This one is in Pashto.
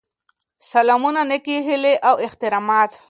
سلامونه نیکې هیلې او احترامات.